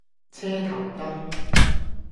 車頭燈